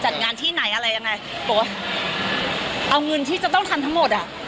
จัดงานที่ไหนอะไรยังไงบอกว่าเอาเงินที่จะต้องทำทั้งหมดอ่ะ